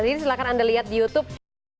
jadi silahkan anda lihat di youtube